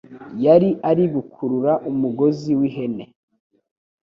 yari ari gukurura umugozi w' ihene